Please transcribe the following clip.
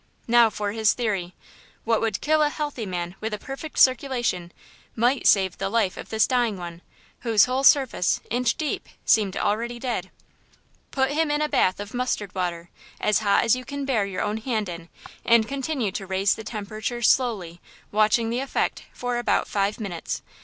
Now for his theory! What would kill a healthy man with a perfect circulation might save the life of this dying one, whose whole surface, inch deep, seemed already dead. "Put him in a bath of mustard water, as hot as you can bear your own hand in and continue to raise the temperature slowly, watching the effect, for about five minutes.